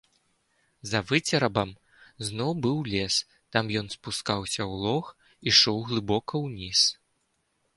За выцерабам зноў быў лес, там ён спускаўся ў лог, ішоў глыбока ўніз.